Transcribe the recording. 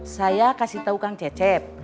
saya kasih tahu kang cecep